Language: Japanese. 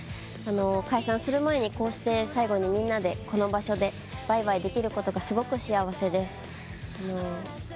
解散する前にこうして最後にみんなでこの場所でバイバイできることがすごく幸せです。